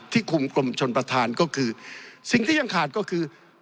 คุมกรมชนประธานก็คือสิ่งที่ยังขาดก็คือ